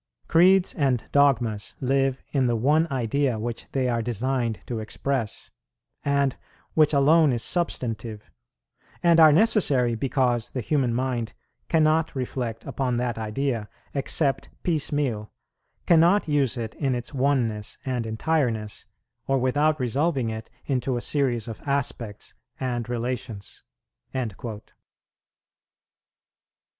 ... Creeds and dogmas live in the one idea which they are designed to express, and which alone is substantive; and are necessary, because the human mind cannot reflect upon that idea except piecemeal, cannot use it in its oneness and entireness, or without resolving it into a series of aspects and relations."[53:1] 10.